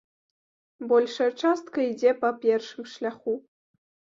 Большая частка ідзе па першым шляху.